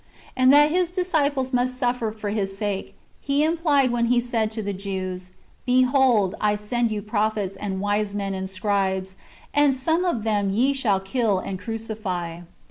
And that His disciples must suffer for His sake. He [implied when He] said to the Jews, " Behold, I send you prophets, and wise men, and scribes : and some of them ye shall kill and crucify."